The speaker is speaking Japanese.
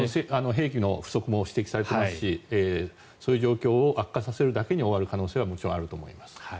兵器の不足も指摘されていますしそういう状況を悪化させるだけに終わる可能性はもちろんあると思います。